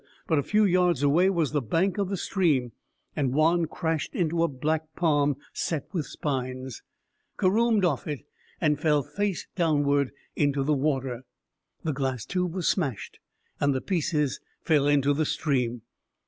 But a few yards away was the bank of the stream, and Juan crashed into a black palm set with spines, caromed off it, and fell face downward into the water. The glass tube was smashed and the pieces fell into the stream.